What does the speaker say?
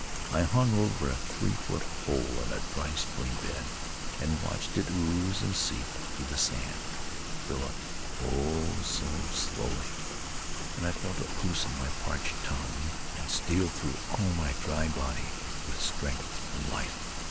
I hung over a three foot hole in a dry stream bed, and watched it ooze and seep through the sand, and fill up oh, so slowly; and I felt it loosen my parched tongue, and steal through all my dry body with strength and life.